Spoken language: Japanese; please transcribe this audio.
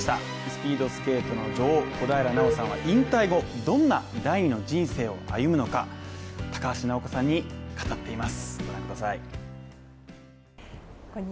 スピードスケートの女王・小平奈緒さんは引退後どんな第二の人生を歩むのか、高橋尚子さんに語っています。